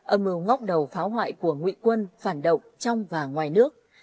ấn mưu ngóc đầu phá hoại của nguyện quân phản động trong và ngoài nước